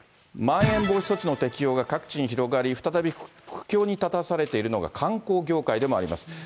まん延防止措置の適用が各地に広がり、再び苦境に立たされているのが、観光業界でもあります。